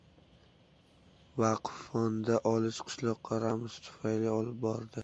Vaqf fondi olis qishloqqa Ramazon tuhfasini olib bordi